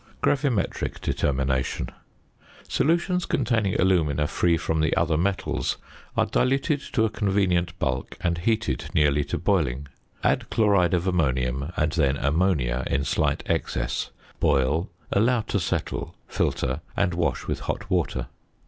GRAVIMETRIC DETERMINATION. Solutions containing alumina free from the other metals are diluted to a convenient bulk and heated nearly to boiling. Add chloride of ammonium, and then ammonia in slight excess; boil, allow to settle, filter, and wash with hot water.